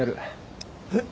えっ。